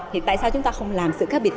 thì tại sao chúng ta không làm sự khác biệt